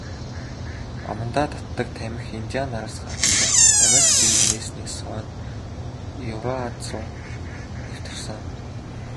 Амандаа татдаг тамхи индиан нараас гаралтай, Америк тивийг нээснээс хойно Еврази руу нэвтэрсэн.